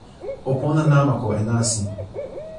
o pona namako e nasin.